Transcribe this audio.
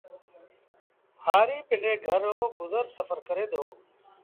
هآريٚ پندري گھر رو گزر سڦر ڪري دو